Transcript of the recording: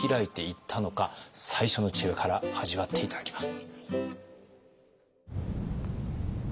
最初の知恵から味わって頂きます。